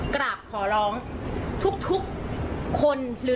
ได้โปรดอย่าลากที่ฉัน